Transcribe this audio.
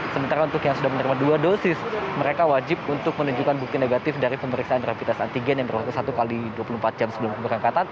sementara untuk yang sudah menerima dua dosis mereka wajib untuk menunjukkan bukti negatif dari pemeriksaan rapid test antigen yang berlaku satu x dua puluh empat jam sebelum keberangkatan